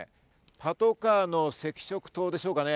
パトカーの赤色灯でしょうか？